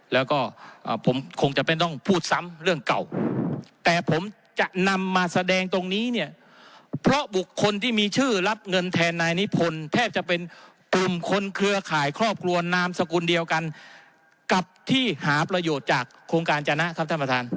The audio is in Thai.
แล้วก็ผมคงจะเป็นต้องพูดซ้ำเรื่องเก่าแต่ผมจะนำมาแสดงตรงนี้เนี่ยเพราะบุคคลที่มีชื่อรับเงินแทนนายนิพนธ์แทบจะเป็นกลุ่มคนเครือข่ายครอบครัวนามสกุลเดียวกันกับที่หาประโยชน์จากโครงการจนะครับท่านประธาน